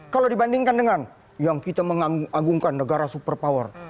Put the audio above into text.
kalau dibandingkan dengan yang kita mengagungkan negara super power